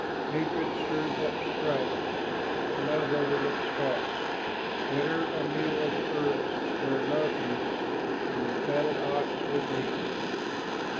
Hatred stirs up strife, But love overlooks faults. Better a meal of herbs where love is, Than a fatted ox with hate.